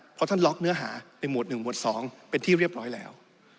เพราะท่านล็อกเนื้อหาในหมวด๑หวด๒เป็นที่เรียบร้อยแล้ว